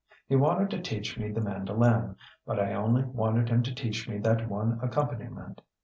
He wanted to teach me the mandolin, but I only wanted him to teach me that one accompaniment.